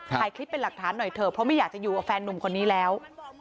ถ่ายคลิปเป็นหลักฐานหน่อยเถอะเพราะไม่อยากจะอยู่กับแฟนนุ่มคนนี้แล้ว